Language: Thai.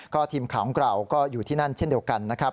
ทีมข่าวของเราก็อยู่ที่นั่นเช่นเดียวกันนะครับ